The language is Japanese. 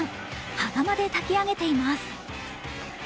羽釜で炊き上げています。